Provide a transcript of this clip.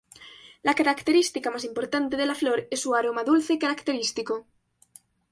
La característica más importante de la flor es su aroma dulce característico.